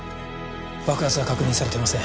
爆発は確認されていません